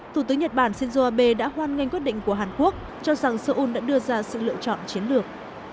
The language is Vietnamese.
thủ tướng nhật bản shinzo abe đã hoan nghênh quyết định của hàn quốc cho rằng seoul đã đưa ra sự lựa chọn chiến lược